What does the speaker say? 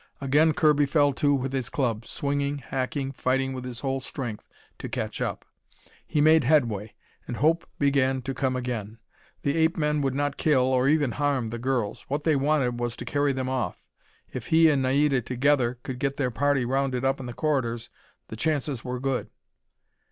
Again Kirby fell to with his club, swinging, hacking, fighting with his whole strength to catch up. He made headway, and hope began to come again. The ape men would not kill, or even harm, the girls. What they wanted was to carry them off. If he and Naida together could get their party rounded up in the corridors, the chances were good.